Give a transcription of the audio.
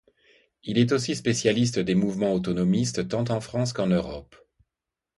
Il est aussi spécialiste des mouvements autonomistes tant en France qu'en Europe.